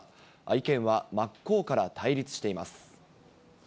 意見は真っ向から対立しています。